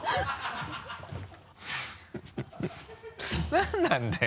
何なんだよ